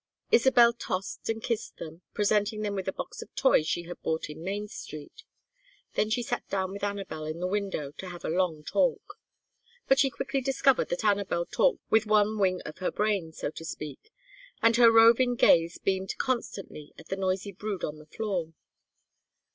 Isabel tossed and kissed them, presenting them with a box of toys she had bought in Main Street. Then she sat down with Anabel in the window to have a long talk. But she quickly discovered that Anabel talked with one wing of her brain, so to speak, and her roving gaze beamed constantly at the noisy brood on the floor.